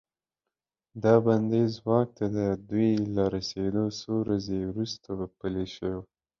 دا بندیز واک ته د دوی له رسیدو څو ورځې وروسته پلی شو.